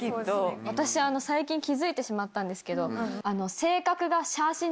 私最近気付いてしまったんですけど。